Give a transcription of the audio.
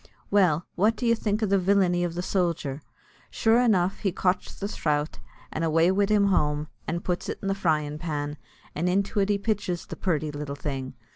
Well, what would you think o' the villainy of the sojer? Sure enough he cotch the throut, and away wid him home, and puts an the fryin' pan, and into it he pitches the purty little thing.